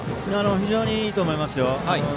非常にいいと思いますよ。